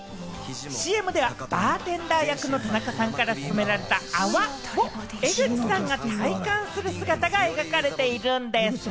ＣＭではバーテンダー役の田中さんからすすめられた泡を江口さんが体感する姿が描かれているんです。